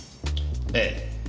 ええ。